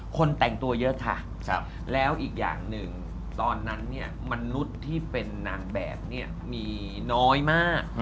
คนแต่งตัวเยอะค่ะแล้วอีกอย่างหนึ่งตอนนั้นเนี่ยมนุษย์ที่เป็นนางแบบเนี่ยมีน้อยมาก